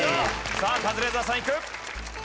さあカズレーザーさんいく。